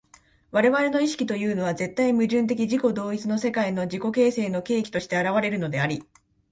我々の意識というのは絶対矛盾的自己同一の世界の自己形成の契機として現れるのであり、